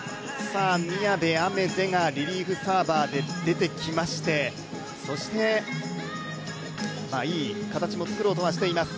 宮部愛芽世がリリーフサーバーで出てきましてそしていい形も作ろうとはしています。